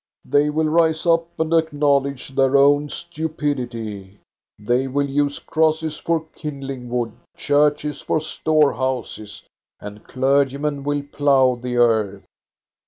They will rise up and acknowledge their own stupid ity ; they will use crosses for kindling wood, churches for storehouses, and clergymen will plough the earth."